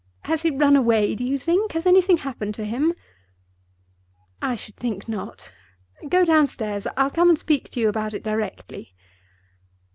Has he run away, do you think? Has anything happened to him?" "I should think not. Go downstairs; I'll come and speak to you about it directly."